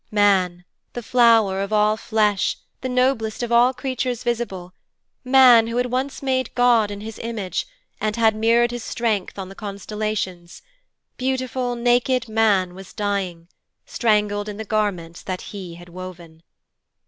Man, the flower of all flesh, the noblest of all creatures visible, man who had once made god in his image, and had mirrored his strength on the constellations, beautiful naked man was dying, strangled in the garments that he had woven.